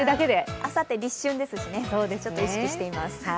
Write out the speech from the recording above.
あさって、立春ですし、ちょっと意識しています。